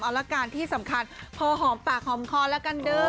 เอาละการที่สำคัญพอหอมฝากหอมคอละกันด้วย